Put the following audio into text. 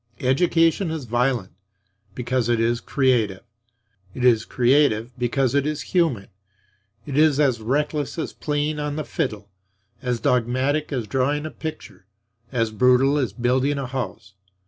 Education is violent; because it is creative. It is creative because it is human. It is as reckless as playing on the fiddle; as dogmatic as drawing a picture; as brutal as building a house.